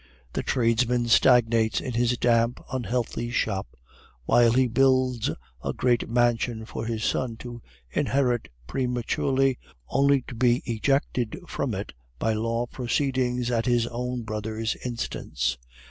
The tradesman stagnates in his damp, unhealthy shop, while he builds a great mansion for his son to inherit prematurely, only to be ejected from it by law proceedings at his own brother's instance.